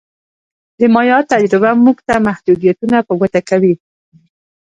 د مایا تجربه موږ ته محدودیتونه په ګوته کوي